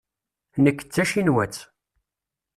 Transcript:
Nekk d tacinwatt.